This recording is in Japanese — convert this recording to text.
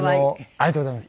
ありがとうございます。